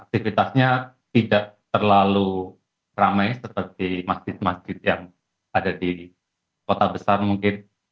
aktivitasnya tidak terlalu ramai seperti masjid masjid yang ada di kota besar mungkin